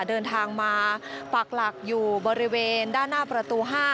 เดินทางมาปักหลักอยู่บริเวณด้านหน้าประตู๕